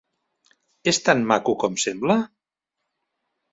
És tan maco com sembla?